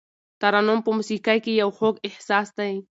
ترنم په موسیقۍ کې یو خوږ احساس دی.